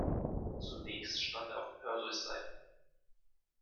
Zunächst stand er auf Perseus' Seite.